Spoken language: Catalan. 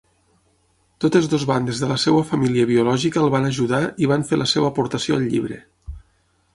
Totes dues bandes de la seva família biològica el van ajudar i van fer la seva aportació al llibre.